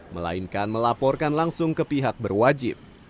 melainkan melaporkan langsung ke pihak berwajib